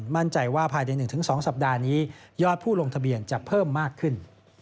มั่นใจว่าภายใน๑๒สัปดาห์นี้ยอดผู้ลงทะเบียนจะเพิ่มมากขึ้น